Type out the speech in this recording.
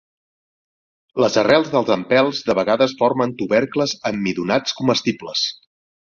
Les arrels dels empelts de vegades formen tubercles emmidonats comestibles.